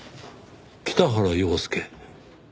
北原陽介。